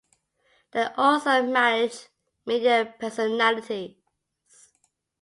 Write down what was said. They also manage media personalities.